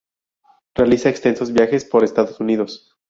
Realiza extensos viajes por Estados Unidos.